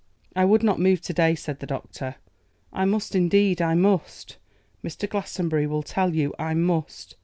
'I would not move to day,' said the physician. 'I must, indeed I must. Mr. Glastonbury will tell you I must.